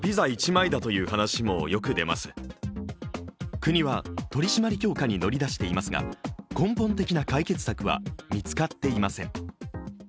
国は取り締まり強化に乗り出していますが根本的な解決策は見つかっていません。